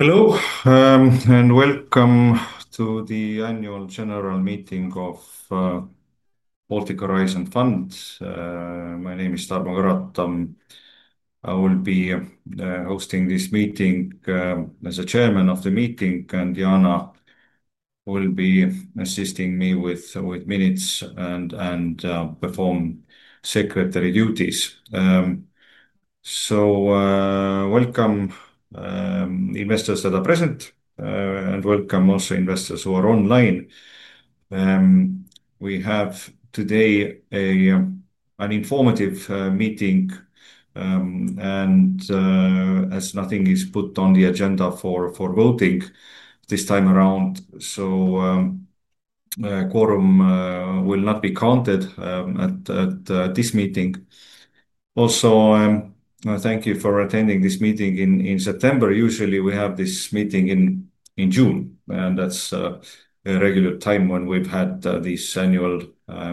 Hello, and welcome to the annual general meeting of Baltic Horizon Fund. My name is Tarmo Karotam. I will be hosting this meeting as the Chairman of the meeting, and Diana will be assisting me with minutes and perform secretary duties. Welcome, investors that are present, and welcome also investors who are online. We have today an informative meeting, and as nothing is put on the agenda for voting this time around, quorum will not be counted at this meeting. Also, thank you for attending this meeting in September. Usually, we have this meeting in June, and that's a regular time when we've had these annual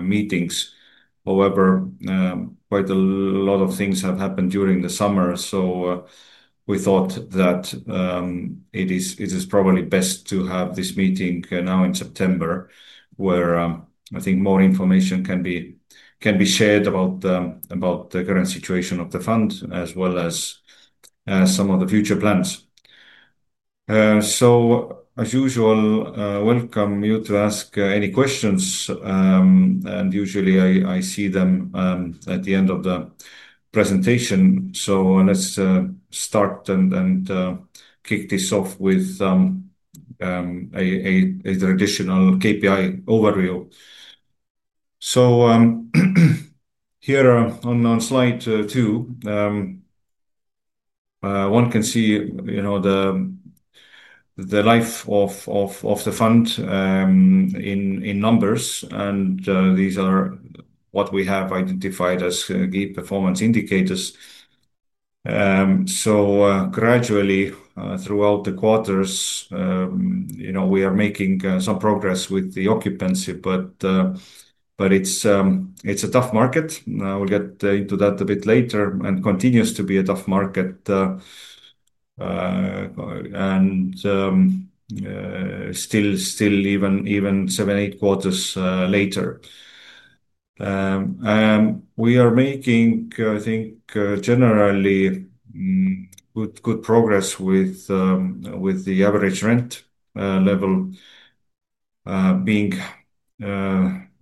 meetings. However, quite a lot of things have happened during the summer, so we thought that it is probably best to have this meeting now in September, where I think more information can be shared about the current situation of the fund as well as some of the future plans. As usual, welcome you to ask any questions. Usually, I see them at the end of the presentation. Let's start and kick this off with a traditional KPI overview. Here, on slide two, one can see the life of the fund in numbers, and these are what we have identified as key performance indicators. Gradually, throughout the quarters, we are making some progress with the occupancy, but it's a tough market. We'll get into that a bit later and it continues to be a tough market, still even seven, eight quarters later. We are making, I think, generally good progress with the average rent level, being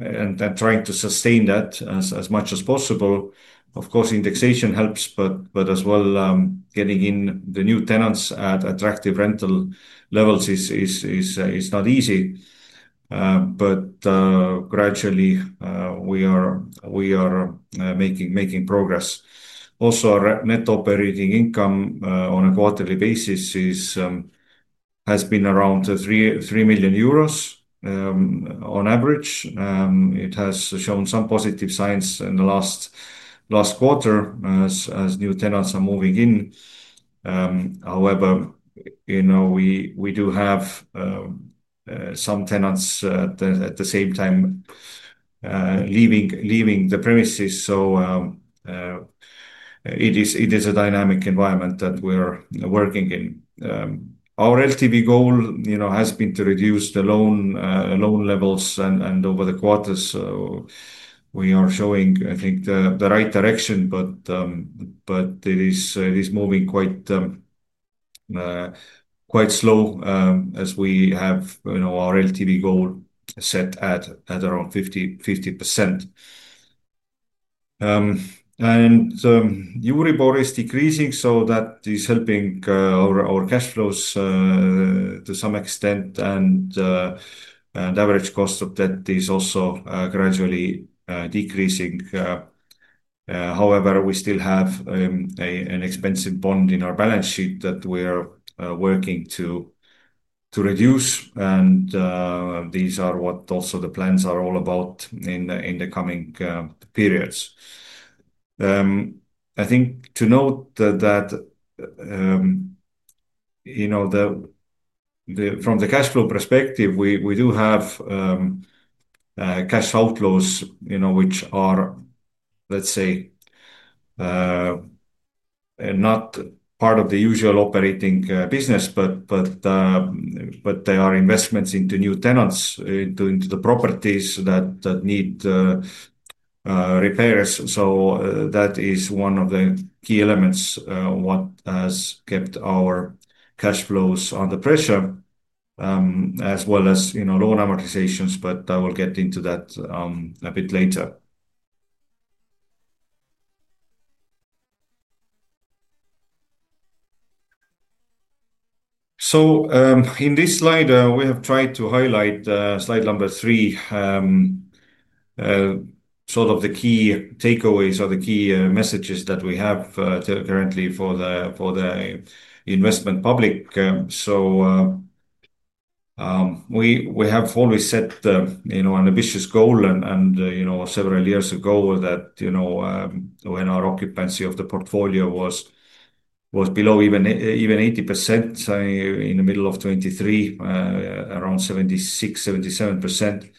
and trying to sustain that as much as possible. Of course, indexation helps, but as well, getting in the new tenants at attractive rental levels is not easy. Gradually, we are making progress. Also, our net operating income on a quarterly basis has been around €3 million on average. It has shown some positive signs in the last quarter as new tenants are moving in. However, we do have some tenants at the same time leaving the premises, so it is a dynamic environment that we're working in. Our LTV goal has been to reduce the loan levels, and over the quarters, we are showing, I think, the right direction, but it is moving quite slow, as we have our LTV goal set at around 50%. Euribor is decreasing, so that is helping our cash flows to some extent, and average cost of debt is also gradually decreasing. However, we still have an expensive bond in our balance sheet that we are working to reduce, and these are what also the plans are all about in the coming periods. I think to note that from the cash flow perspective, we do have cash outflows which are, let's say, not part of the usual operating business, but they are investments into new tenants, into the properties that need repairs. That is one of the key elements that has kept our cash flows under pressure, as well as loan amortizations, but I will get into that a bit later. In this slide, we have tried to highlight, slide number three, sort of the key takeaways or the key messages that we have currently for the investment public. We have always set an ambitious goal, and several years ago, when our occupancy of the portfolio was below even 80%, say, in the middle of 2023, around 76%, 77%,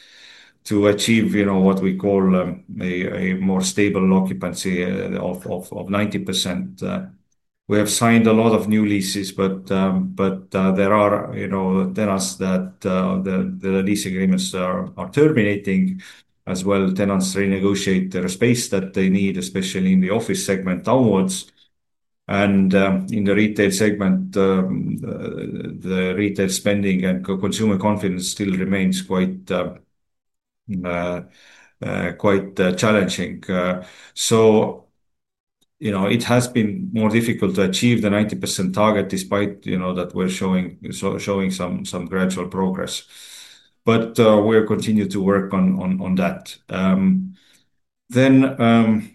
to achieve what we call a more stable occupancy of 90%. We have signed a lot of new leases, but there are tenants whose lease agreements are terminating. Tenants renegotiate their space that they need, especially in the office segment downwards. In the retail segment, the retail spending and consumer confidence still remains quite challenging. It has been more difficult to achieve the 90% target despite showing some gradual progress. We will continue to work on that.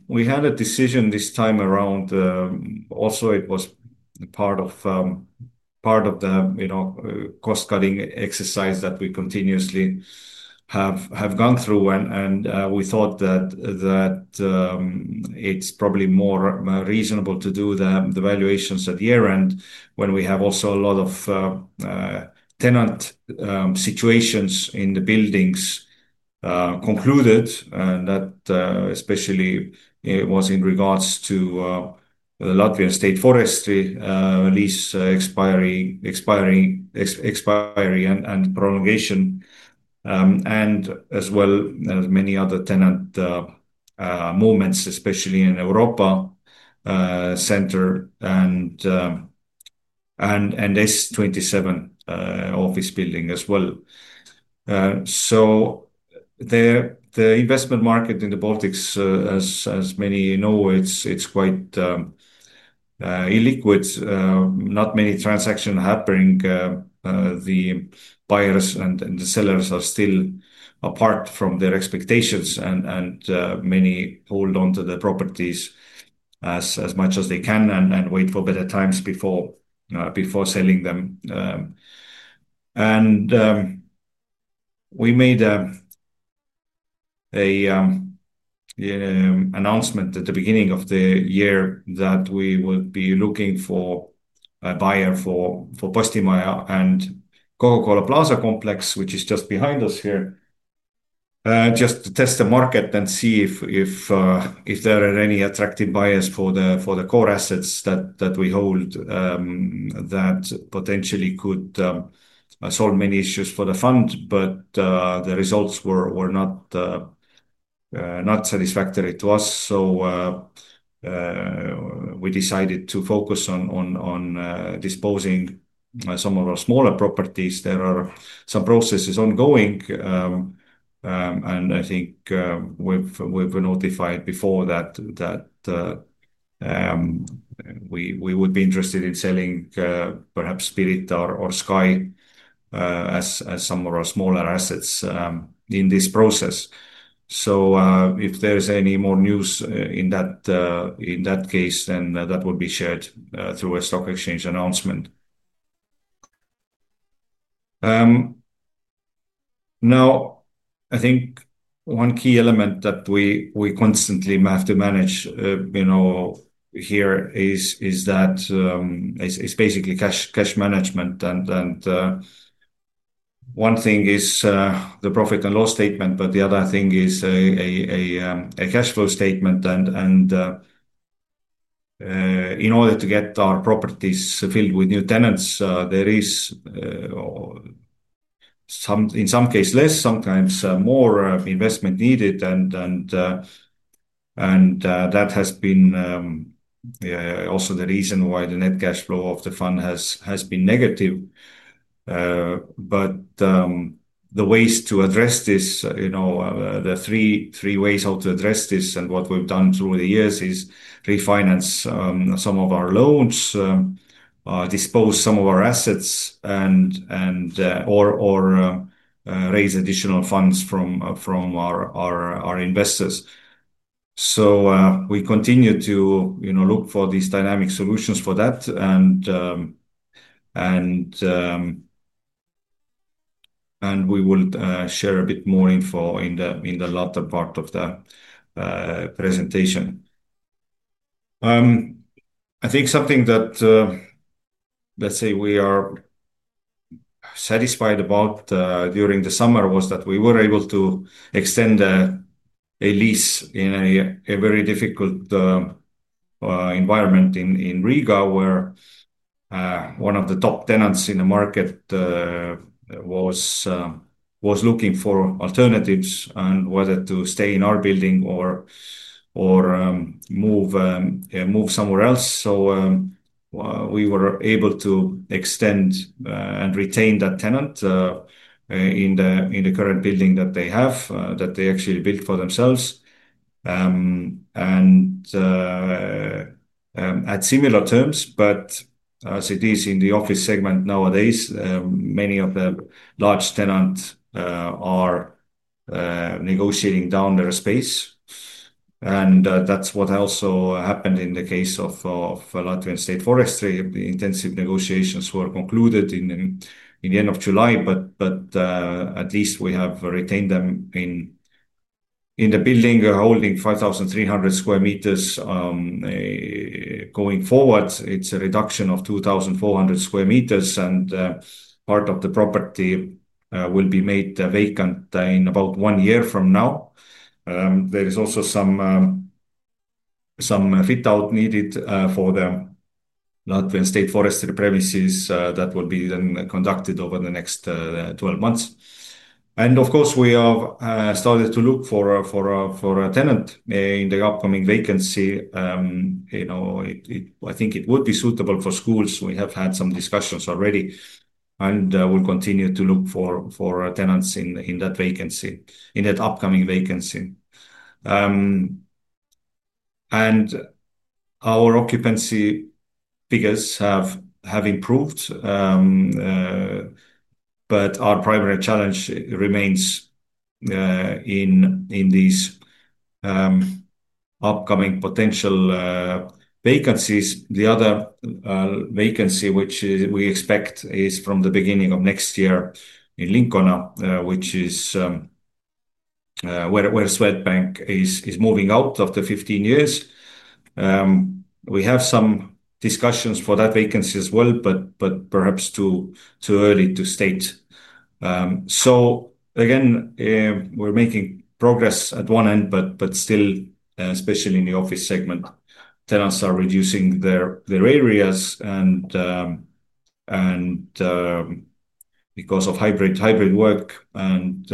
We had a decision this time around, also, it was part of the cost-cutting exercise that we continuously have gone through. We thought that it's probably more reasonable to do the valuations at year-end when we have also a lot of tenant situations in the buildings concluded, and that especially was in regards to the Latvian State Forestry lease expiry and prolongation, as well as many other tenant movements, especially in Europa Center and S27 office building as well. The investment market in the Baltics, as many know, is quite illiquid. Not many transactions are happening. The buyers and the sellers are still apart from their expectations, and many hold onto their properties as much as they can and wait for better times before selling them. We made an announcement at the beginning of the year that we would be looking for a buyer for Postimaja and Coca-Cola Plaza Complex, which is just behind us here, just to test the market and see if there are any attractive buyers for the core assets that we hold, that potentially could solve many issues for the fund. The results were not satisfactory to us. We decided to focus on disposing some of our smaller properties. There are some processes ongoing, and I think we've notified before that we would be interested in selling, perhaps Spirit or Sky, as some of our smaller assets in this process. If there's any more news in that case, then that would be shared through a stock exchange announcement. I think one key element that we constantly have to manage here is that it's basically cash management. One thing is the profit and loss statement, but the other thing is a cash flow statement. In order to get our properties filled with new tenants, there is, in some cases, less, sometimes more investment needed. That has been also the reason why the net cash flow of the fund has been negative. The ways to address this, the three ways how to address this and what we've done through the years, is refinance some of our loans, dispose some of our assets, or raise additional funds from our investors. We continue to look for these dynamic solutions for that, and we will share a bit more info in the latter part of the presentation. I think something that, let's say we are satisfied about during the summer was that we were able to extend a lease in a very difficult environment in Riga where one of the top tenants in the market was looking for alternatives and whether to stay in our building or move somewhere else. We were able to extend and retain that tenant in the current building that they have, that they actually built for themselves, and at similar terms. As it is in the office segment nowadays, many of the large tenants are negotiating down their space. That's what also happened in the case of Latvian State Forestry. The intensive negotiations were concluded in the end of July, but at least we have retained them in the building, holding 5,300 square meters. Going forward, it's a reduction of 2,400 square meters, and part of the property will be made vacant in about one year from now. There is also some fit-out needed for the Latvian State Forestry premises that will be then conducted over the next 12 months. Of course, we have started to look for a tenant in the upcoming vacancy. I think it would be suitable for schools. We have had some discussions already, and we'll continue to look for tenants in that vacancy, in that upcoming vacancy. Our occupancy figures have improved, but our primary challenge remains in these upcoming potential vacancies. The other vacancy, which we expect, is from the beginning of next year in Lincoln, which is where Swedbank is moving out after 15 years. We have some discussions for that vacancy as well, but perhaps too early to state. We're making progress at one end, but still, especially in the office segment, tenants are reducing their areas because of hybrid work and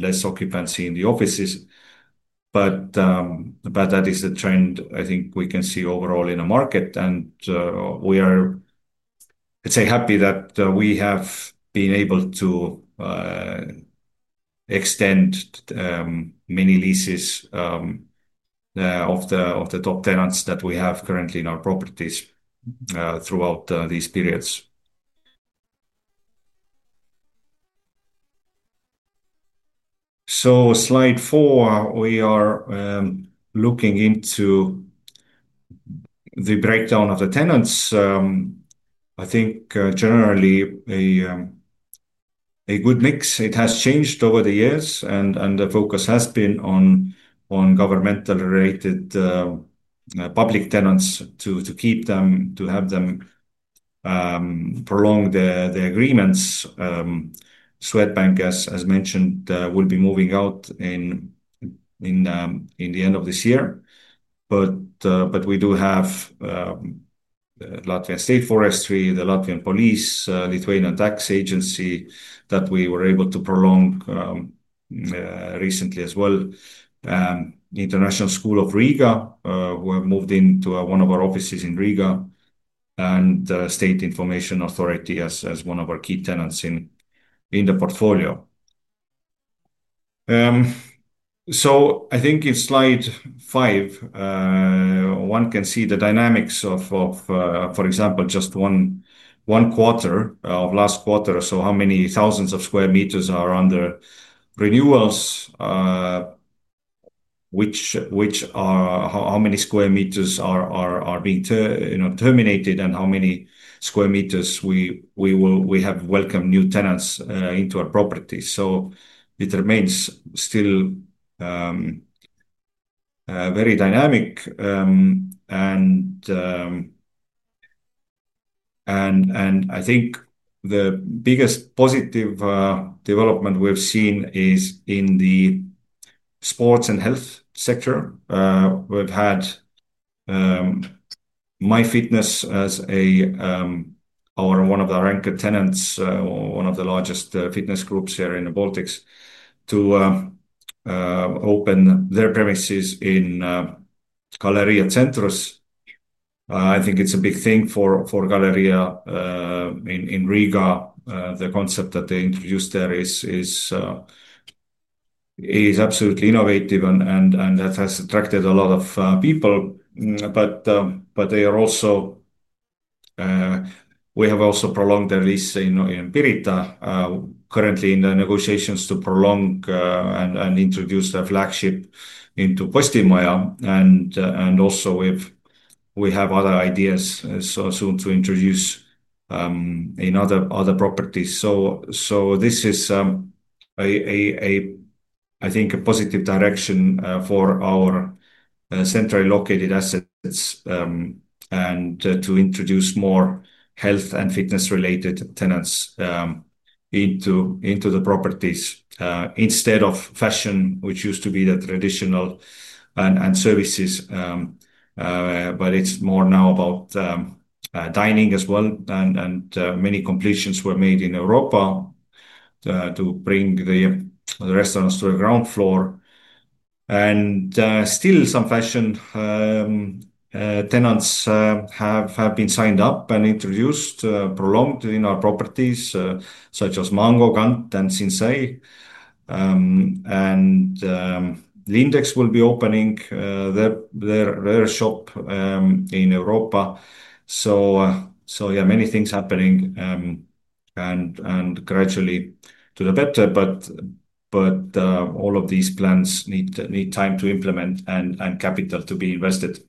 less occupancy in the offices. That is the trend I think we can see overall in the market. We are, let's say, happy that we have been able to extend many leases of the top tenants that we have currently in our properties throughout these periods. Slide four, we are looking into the breakdown of the tenants. I think generally a good mix. It has changed over the years, and the focus has been on governmental-related public tenants to keep them, to have them, prolong the agreements. Swedbank, as mentioned, will be moving out at the end of this year. We do have the Latvian State Forestry, the Latvian Police, and the Lithuanian Tax Agency that we were able to prolong recently as well. International School of Riga, who have moved into one of our offices in Riga, and State Information Authority as one of our key tenants in the portfolio. I think in slide five, one can see the dynamics of, for example, just one quarter of last quarter. How many thousands of square meters are under renewals, which are how many square meters are being terminated and how many square meters we have welcomed new tenants into our properties. It remains still very dynamic. I think the biggest positive development we've seen is in the sports and health sector. We've had MyFitness as one of the ranked tenants, one of the largest fitness groups here in the Baltics, to open their premises in Galleria Centros. I think it's a big thing for Galleria in Riga. The concept that they introduced there is absolutely innovative and that has attracted a lot of people. They are also, we have also prolonged their lease in Pirita, currently in the negotiations to prolong and introduce their flagship into Postimaja. We have other ideas soon to introduce in other properties. This is, I think, a positive direction for our centrally located assets, to introduce more health and fitness-related tenants into the properties, instead of fashion, which used to be the traditional and services, but it's more now about dining as well. Many completions were made in Europa to bring the restaurants to the ground floor. Still, some fashion tenants have been signed up and introduced, prolonged in our properties, such as Mango, Gant, and Sinsay. Lindex will be opening their shop in Europa. Many things are happening, and gradually to the better. All of these plans need time to implement and capital to be invested.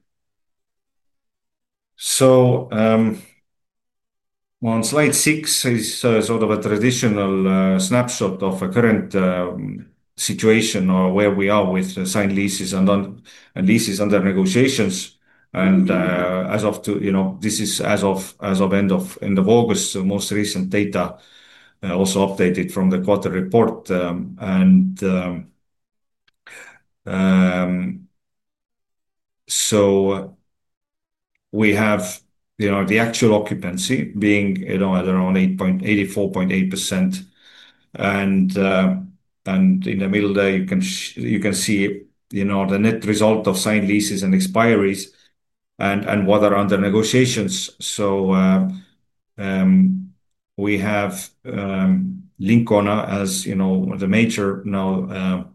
On slide six is a traditional snapshot of the current situation or where we are with the signed leases and leases under negotiations. As of, you know, this is as of end of August, the most recent data, also updated from the quarter report. We have the actual occupancy being at around 84.8%. In the middle there, you can see the net result of signed leases and expiry and what are under negotiations. We have Lincoln as the major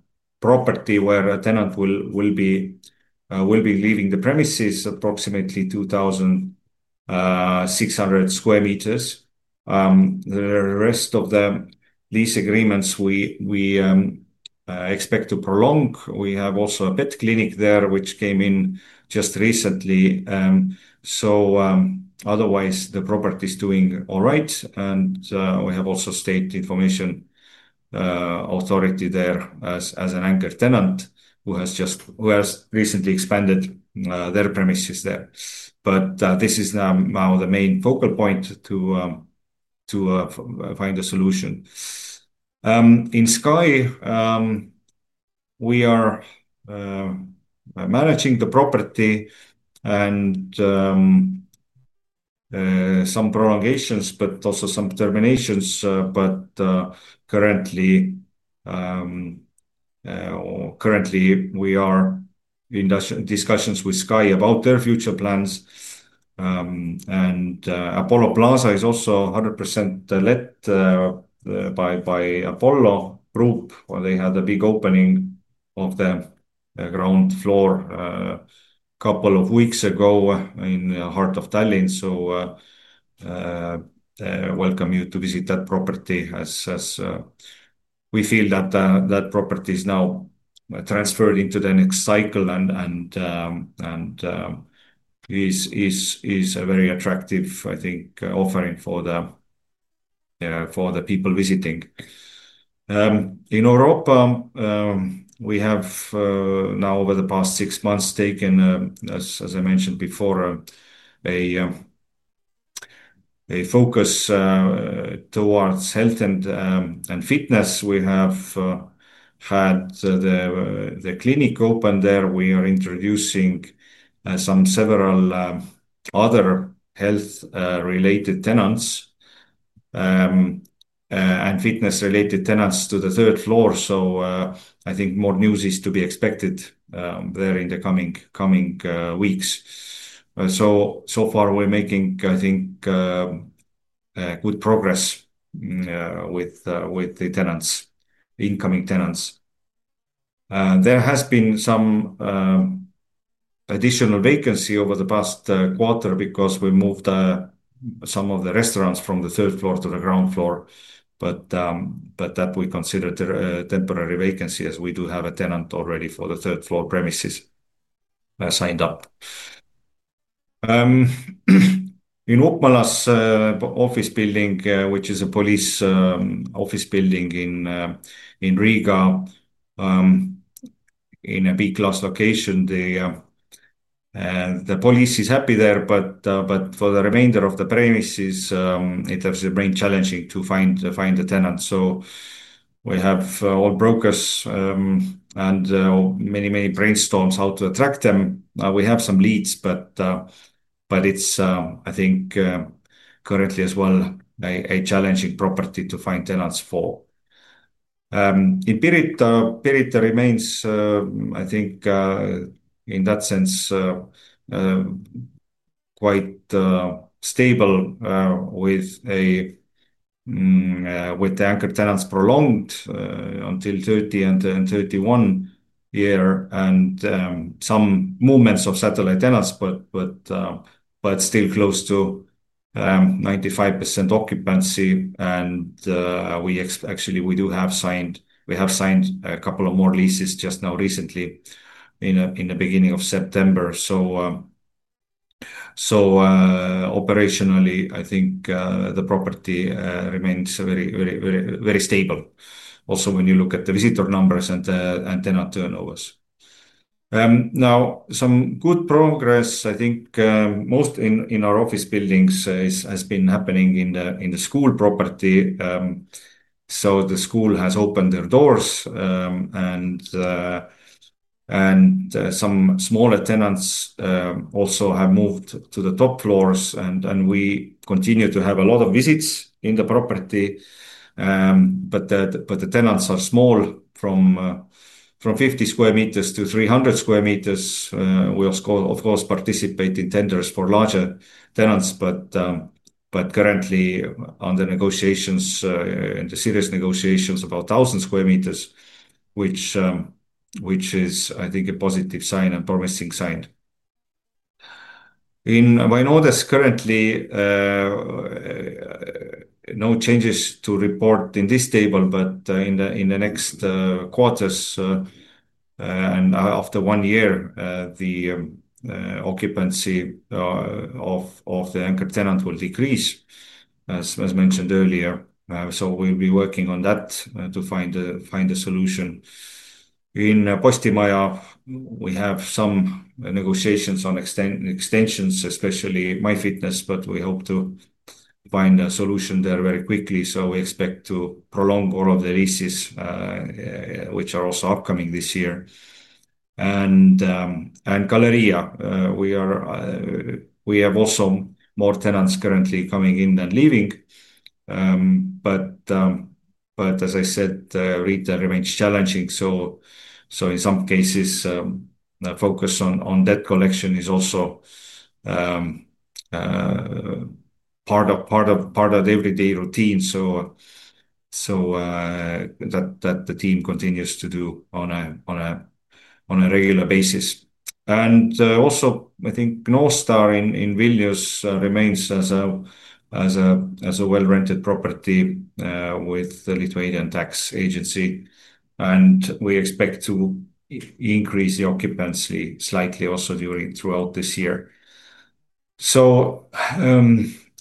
property where a tenant will be leaving the premises, approximately 2,600 square meters. The rest of the lease agreements we expect to prolong. We have also a pet clinic there, which came in just recently. Otherwise, the property is doing all right. We have also State Information Authority there as an anchor tenant who has recently expanded their premises there. This is now the main focal point to find a solution. In Sky, we are managing the property and some prolongations, but also some terminations. Currently, we are in discussions with Sky about their future plans. Apollo Plaza is also 100% let by Apollo Group when they had a big opening of the ground floor a couple of weeks ago in the heart of Tallinn. We welcome you to visit that property as we feel that property is now transferred into the next cycle and is a very attractive offering for the people visiting. In Europe, we have over the past six months taken a focus towards health and fitness. We have had the clinic open there. We are introducing several other health-related tenants and fitness-related tenants to the third floor. More news is to be expected there in the coming weeks. So far, we're making good progress with the tenants, the incoming tenants. There has been some additional vacancy over the past quarter because we moved some of the restaurants from the third floor to the ground floor. That we considered a temporary vacancy as we do have a tenant already for the third-floor premises, signed up. In Uppmalas office building, which is a police office building in Riga in a B-class location, the police is happy there, but for the remainder of the premises, it has been challenging to find the tenant. We have all brokers and many brainstorms how to attract them. We have some leads, but it's currently as well a challenging property to find tenants for. In Pirita, Pirita remains, I think, in that sense, quite stable, with the anchor tenants prolonged until 2030 and 2031. Some movements of satellite tenants, but still close to 95% occupancy. We actually do have signed, we have signed a couple of more leases just now recently in the beginning of September. Operationally, I think the property remains very, very, very, very stable. Also, when you look at the visitor numbers and the tenant turnovers. Now, some good progress, I think, most in our office buildings has been happening in the school property. The school has opened their doors, and some smaller tenants also have moved to the top floors. We continue to have a lot of visits in the property, but the tenants are small, from 50 square meters to 300 square meters. We, of course, participate in tenders for larger tenants, but currently, under negotiations, in the serious negotiations, about 1,000 square meters, which is, I think, a positive sign and promising sign. In Vainodas, currently, no changes to report in this table, but in the next quarters and after one year, the occupancy of the anchor tenant will decrease, as mentioned earlier. We'll be working on that to find a solution. In Postimaja, we have some negotiations on extensions, especially MyFitness. We hope to find a solution there very quickly. We expect to prolong all of the leases, which are also upcoming this year. In Galleria, we have also more tenants currently coming in than leaving. As I said, Riga remains challenging. In some cases, the focus on debt collection is also part of the everyday routine. That the team continues to do on a regular basis. Also, I think Gnostar in Vilnius remains as a well-rented property, with the Lithuanian Tax Agency. We expect to increase the occupancy slightly also throughout this year,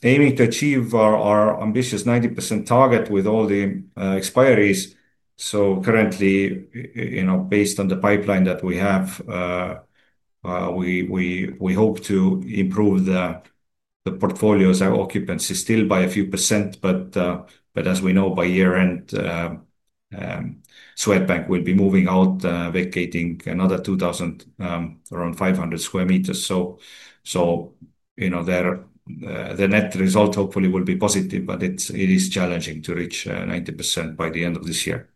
aiming to achieve our ambitious 90% target with all the expirys. Currently, based on the pipeline that we have, we hope to improve the portfolio's occupancy still by a few percent. As we know, by year-end, Swedbank will be moving out, vacating another 2,500 square meters. You know, the net result hopefully will be positive, but it's challenging to reach 90% by the end of this year.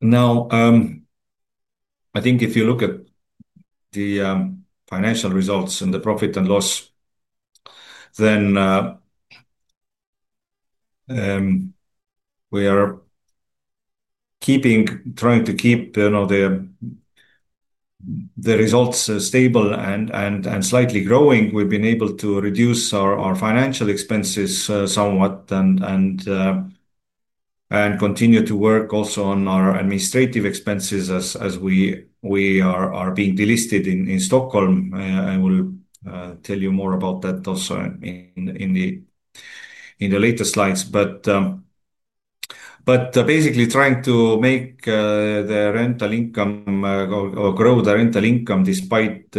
Now, I think if you look at the financial results and the profit and loss, then we are trying to keep the results stable and slightly growing. We've been able to reduce our financial expenses somewhat and continue to work also on our administrative expenses as we are being delisted in Stockholm. I will tell you more about that also in the latest slides. Basically, trying to make the rental income grow despite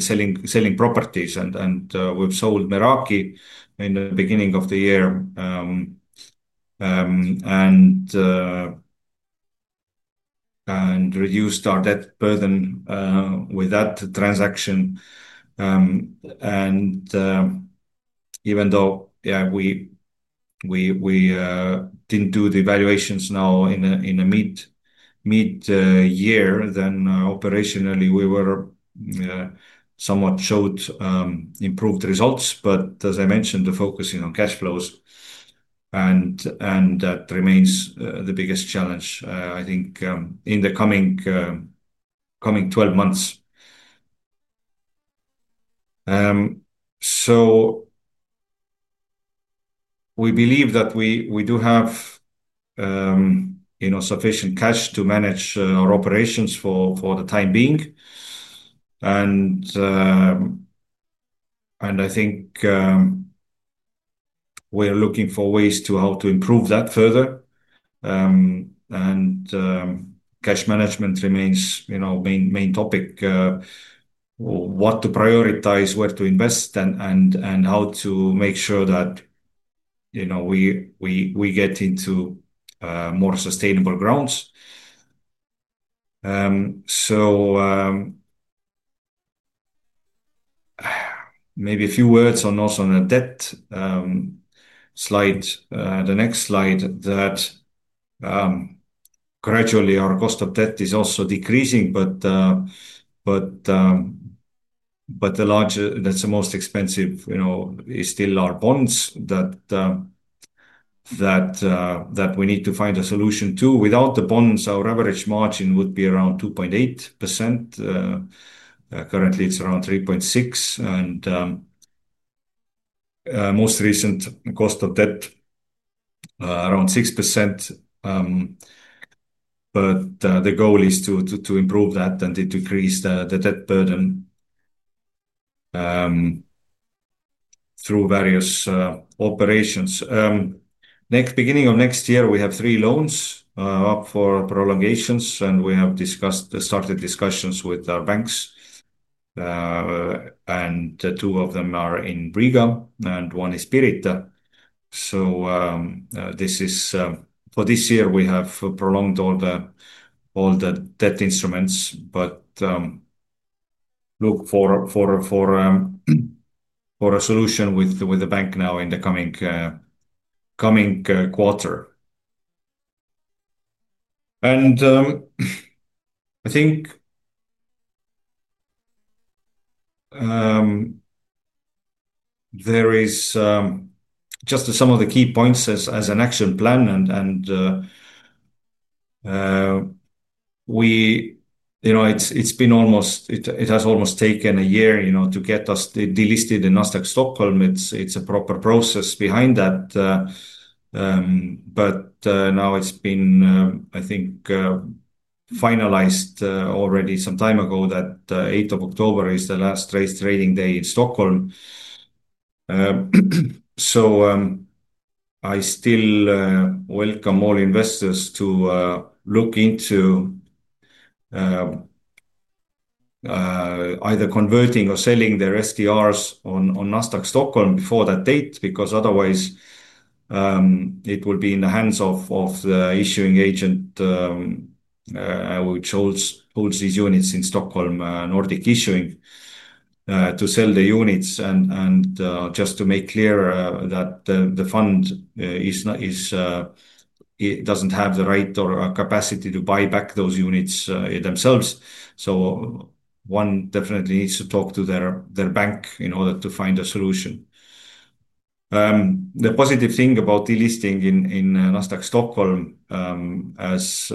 selling properties. We've sold Meraki in the beginning of the year and reduced our debt burden with that transaction. Even though we didn't do the evaluations now in a mid-year, then operationally, we were somewhat showed improved results. As I mentioned, the focus is on cash flows, and that remains the biggest challenge, I think, in the coming 12 months. We believe that we do have sufficient cash to manage our operations for the time being, and I think we are looking for ways to improve that further. Cash management remains the main topic: what to prioritize, where to invest, and how to make sure that we get into more sustainable grounds. Maybe a few words also on the debt slide, the next slide, that gradually our cost of debt is also decreasing, but the larger, that's the most expensive, is still our bonds that we need to find a solution to. Without the bonds, our average margin would be around 2.8%. Currently, it's around 3.6%. Most recent cost of debt, around 6%. The goal is to improve that and to decrease the debt burden through various operations. Beginning of next year, we have three loans up for prolongations, and we have started discussions with our banks. Two of them are in Riga, and one is Pirita. For this year, we have prolonged all the debt instruments, but look for a solution with the bank now in the coming quarter. I think there is just some of the key points as an action plan. We know it's been almost, it has almost taken a year to get us delisted in Nasdaq Stockholm. It's a proper process behind that, but now it's been, I think, finalized already some time ago that the 8th of October is the last trading day in Stockholm. I still welcome all investors to look into either converting or selling their SDRs on Nasdaq Stockholm before that date because otherwise, it will be in the hands of the issuing agent, which holds these units in Stockholm, Nordic Issuing, to sell the units. Just to make clear, the fund does not have the right or capacity to buy back those units themselves. One definitely needs to talk to their bank in order to find a solution. The positive thing about delisting in Nasdaq Stockholm, as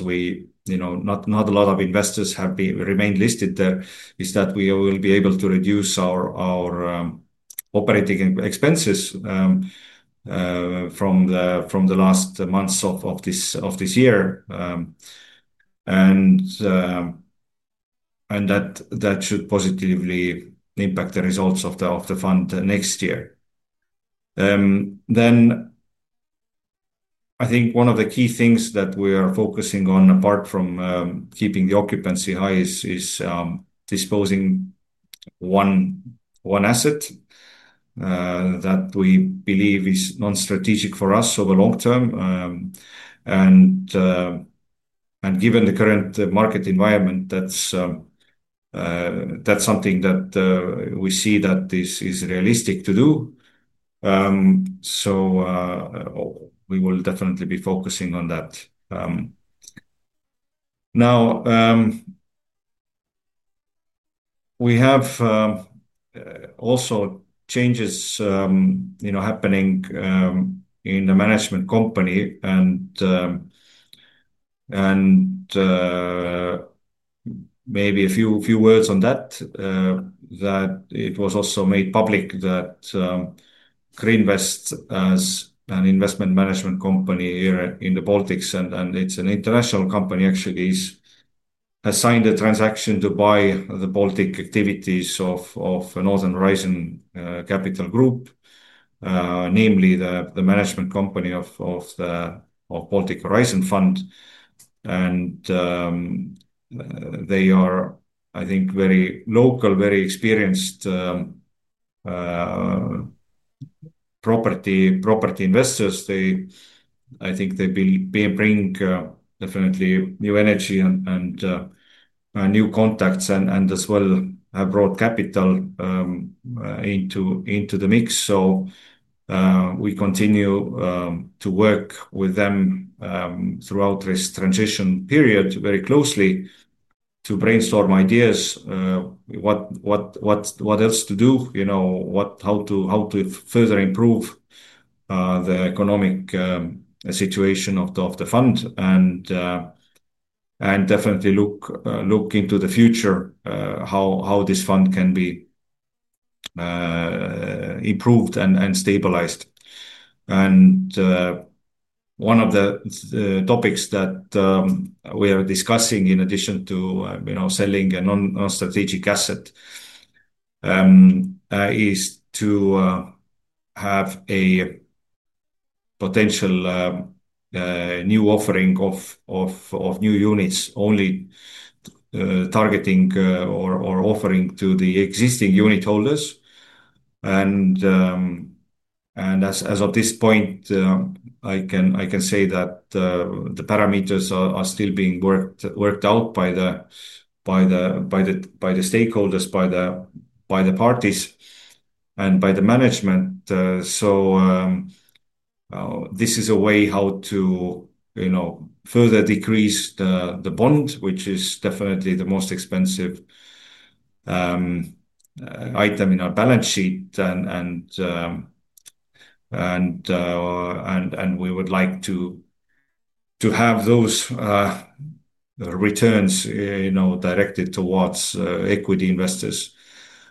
we know, not a lot of investors have remained listed there, is that we will be able to reduce our operating expenses from the last months of this year. That should positively impact the results of the fund next year. I think one of the key things that we are focusing on, apart from keeping the occupancy high, is disposing one asset that we believe is non-strategic for us over the long term. Given the current market environment, that's something that we see is realistic to do. We will definitely be focusing on that. We have also changes happening in the management company. Maybe a few words on that, that it was also made public that GreenVest as an investment management company here in the Baltics, and it's an international company actually, is assigned a transaction to buy the Baltic activities of Northern Horizon Capital Group, namely the management company of the Baltic Horizon Fund. They are, I think, very local, very experienced property investors. I think they bring definitely new energy and new contacts and as well, broad capital into the mix. We continue to work with them throughout this transition period very closely to brainstorm ideas, what else to do, how to further improve the economic situation of the fund. We definitely look into the future, how this fund can be improved and stabilized. One of the topics that we are discussing, in addition to selling a non-strategic asset, is to have a potential new offering of new units only, targeting or offering to the existing unit holders. As of this point, I can say that the parameters are still being worked out by the stakeholders, the parties, and the management. This is a way to further decrease the bond, which is definitely the most expensive item in our balance sheet. We would like to have those returns directed towards equity investors.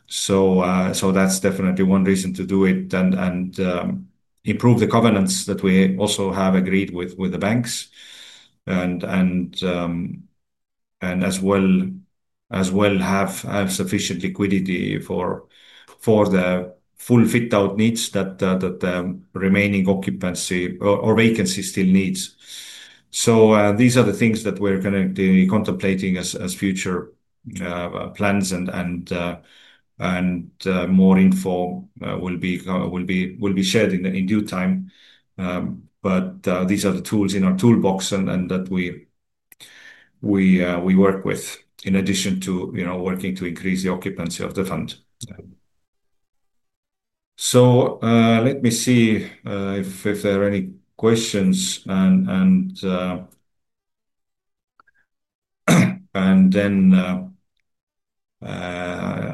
That's definitely one reason to do it and improve the covenants that we also have agreed with the banks, as well as have sufficient liquidity for the full fit-out needs that the remaining occupancy or vacancy still needs. These are the things that we're going to be contemplating as future plans, and more info will be shared in due time. These are the tools in our toolbox that we work with in addition to working to increase the occupancy of the fund. Let me see if there are any questions, and then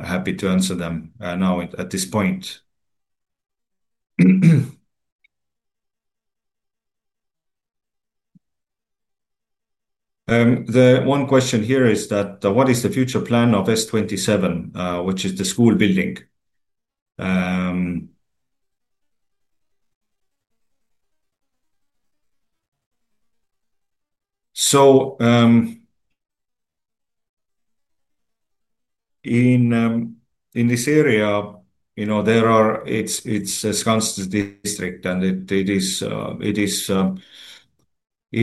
happy to answer them now at this point. The one question here is, what is the future plan of S27, which is the school building? In this area, there are, it's a Skanste district, and it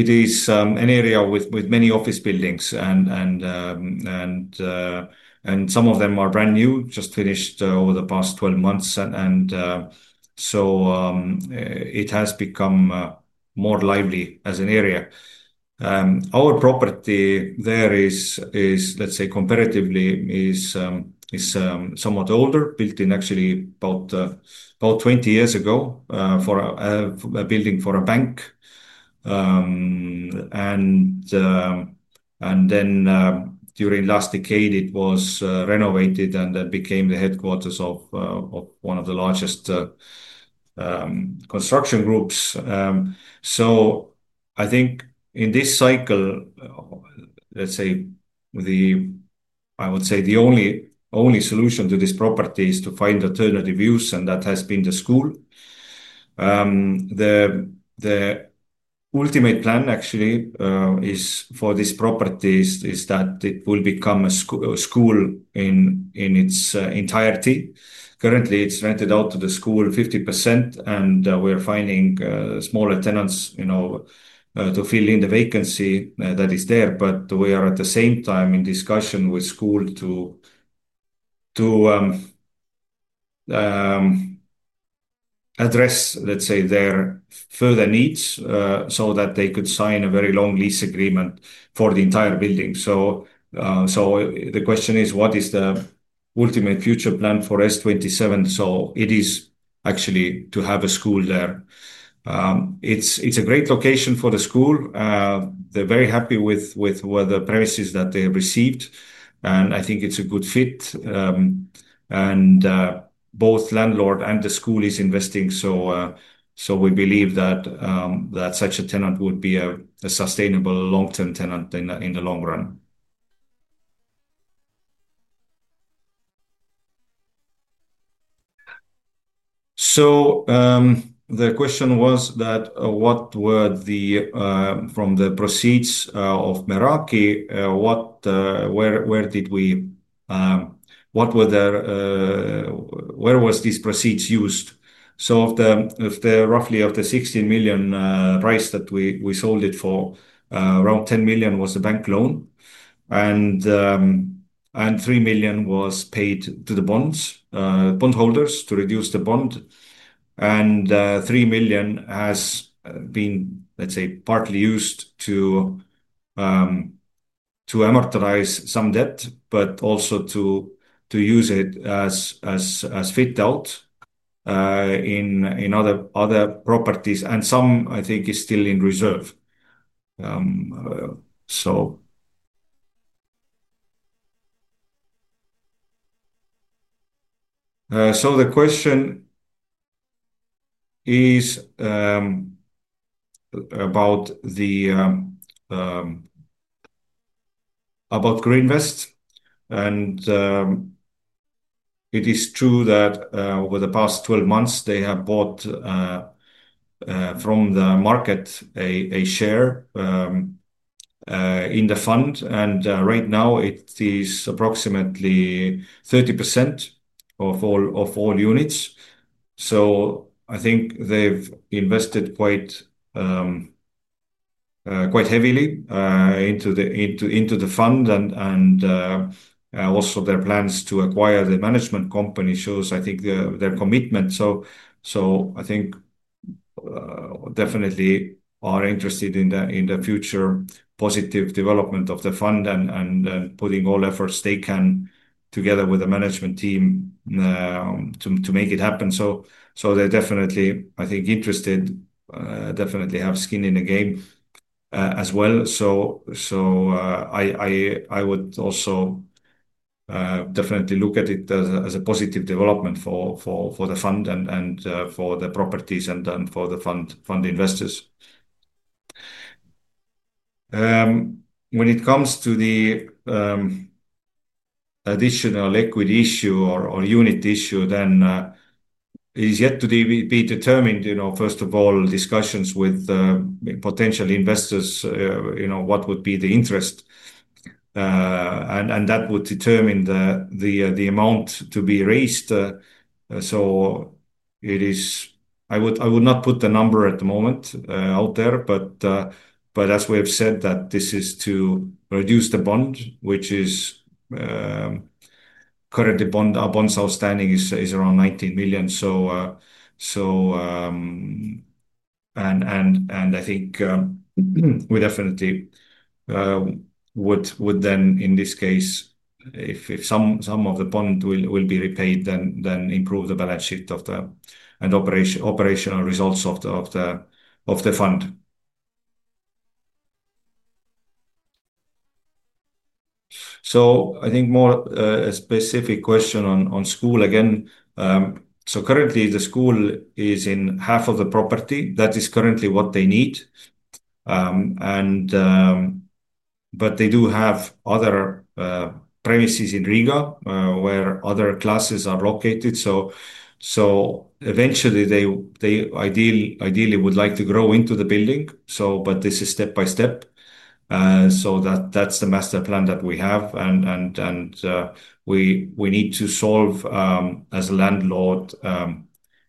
is an area with many office buildings. Some of them are brand new, just finished over the past 12 months. It has become more lively as an area. Our property there is, let's say, comparatively somewhat older, built in actually about 20 years ago, a building for a bank. During the last decade, it was renovated and became the headquarters of one of the largest construction groups. I think in this cycle, the only solution to this property is to find alternative use, and that has been the school. The ultimate plan actually for this property is that it will become a school in its entirety. Currently, it's rented out to the school 50%, and we are finding smaller tenants to fill in the vacancy that is there. We are at the same time in discussion with the school to address, let's say, their further needs, so that they could sign a very long lease agreement for the entire building. The question is, what is the ultimate future plan for S27? It is actually to have a school there. It's a great location for the school. They're very happy with the premises that they've received, and I think it's a good fit. Both landlord and the school are investing. We believe that such a tenant would be a sustainable long-term tenant in the long run. The question was, from the proceeds of Meraki, where were these proceeds used? Of the roughly €16 million price that we sold it for, around €10 million was a bank loan, and €3 million was paid to the bondholders to reduce the bond. €3 million has been, let's say, partly used to amortize some debt, but also to use it as fit-out in other properties. Some, I think, is still in reserve. The question is about GreenVest. It is true that over the past 12 months, they have bought from the market a share in the fund. Right now, it is approximately 30% of all units. I think they've invested quite heavily into the fund. Also, their plans to acquire the management company shows, I think, their commitment. I think they are definitely interested in the future positive development of the fund and putting all efforts they can together with the management team to make it happen. They definitely have skin in the game as well. I would also definitely look at it as a positive development for the fund, for the properties, and for the fund investors. When it comes to the additional liquid issue or unit issue, it is yet to be determined. First of all, discussions with potential investors, what would be the interest, and that would determine the amount to be raised. I would not put the number at the moment out there, but as we have said, this is to reduce the bond, which is currently, our bonds outstanding is around €19 million. I think we definitely would then, in this case, if some of the bond will be repaid, improve the balance sheet and operational results of the fund. I think more, a specific question on school again. Currently, the school is in half of the property. That is currently what they need, but they do have other premises in Riga, where other classes are located. Eventually, they ideally would like to grow into the building, but this is step by step. That's the master plan that we have. We need to solve, as a landlord,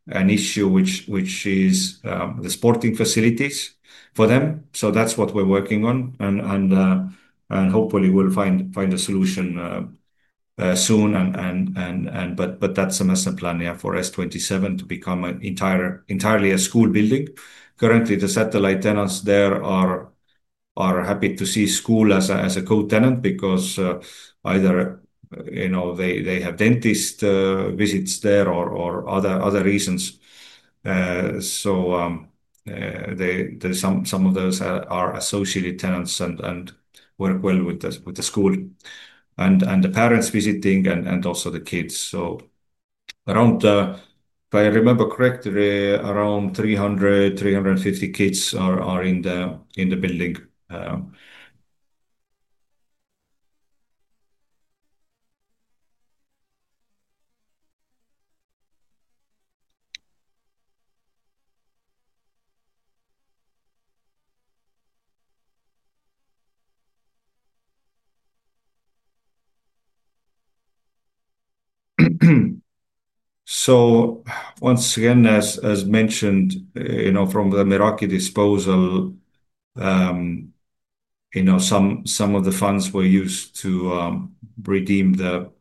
an issue which is the sporting facilities for them. That's what we're working on, and hopefully, we'll find a solution soon. That's the master plan for S27 to become entirely a school building. Currently, the satellite tenants there are happy to see the school as a co-tenant because either they have dentist visits there or other reasons. There are some of those that are associated tenants and work well with the school, and the parents visiting and also the kids. If I remember correctly, around 300, 350 kids are in the building. As mentioned, from the Meraki disposal, some of the funds were used to redeem the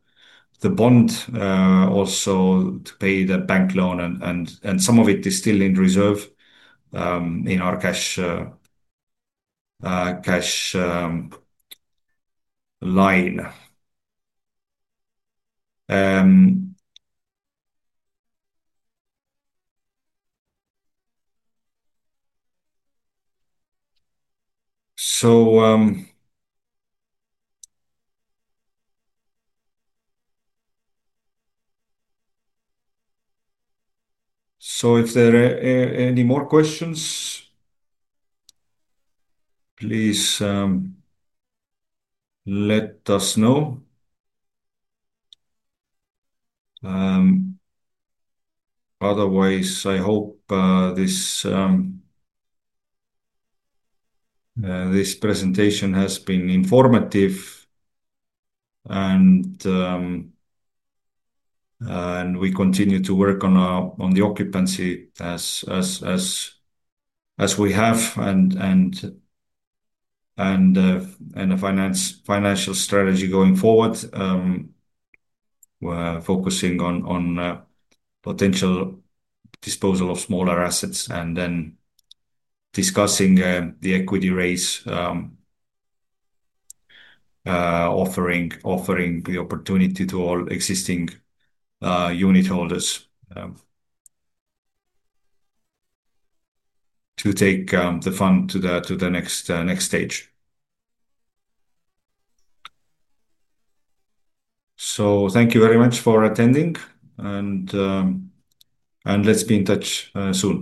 bond, also to pay the bank loan, and some of it is still in reserve in our cash line. If there are any more questions, please let us know. Otherwise, I hope this presentation has been informative. We continue to work on the occupancy as we have and a financial strategy going forward, focusing on potential disposal of smaller assets and then discussing the equity raise, offering the opportunity to all existing unit holders to take the fund to the next stage. Thank you very much for attending, and let's be in touch soon.